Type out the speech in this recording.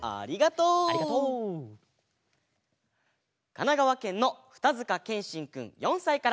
かながわけんのふたづかけんしんくん４さいから。